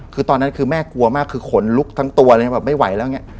คือตอนนั้นคือแม่กลัวมากคือขนลุกทั้งตัวไม่ไหวแล้วเนี่ย